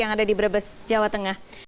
yang ada di brebes jawa tengah